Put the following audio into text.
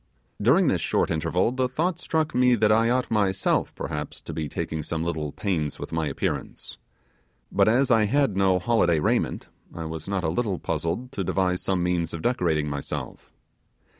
During this short interval, the thought struck me that I ought myself perhaps to be taking some little pains with my appearance. But as I had no holiday raiment, I was not a little puzzled to devise some means of decorating myself.